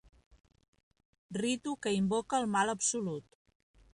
Ritu que invoca el mal abolsut.